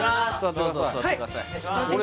どうぞ座ってください